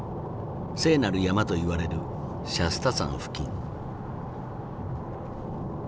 聖なる山といわれるシャスタ山付近。